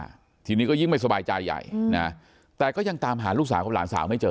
อ่าทีนี้ก็ยิ่งไม่สบายใจใหญ่นะแต่ก็ยังตามหาลูกสาวกับหลานสาวไม่เจอ